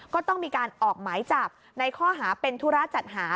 ก็ต้องมีการออกหมายจับในข้อหาเป็นธุระจัดหา